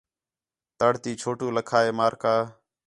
تڑ تی چھوٹو لَکھا ہے مارکہ